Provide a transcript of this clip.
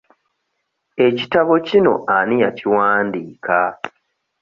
Ekitabo kino ani yakiwandiika?